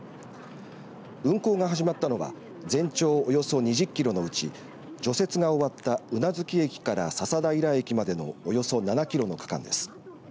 運行が始まったのは全長およそ２０キロのうち除雪が終わった宇奈月駅から笹平駅までのおよそ７キロの区間です。